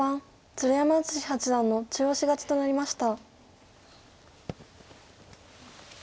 鶴山淳志八段の中押し勝ちとなりました。